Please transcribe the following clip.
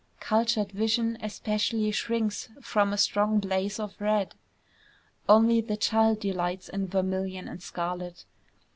Cultured vision especially shrinks from a strong blaze of red. Only the child delights in vermilion and scarlet.